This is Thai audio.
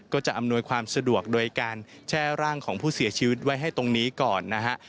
จะอำนวยความสะดวกโดยการแช่ร่างของผู้เสียชีวิตไว้ให้ตรงนี้ก่อนนะฮะ